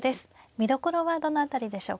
見どころはどの辺りでしょうか。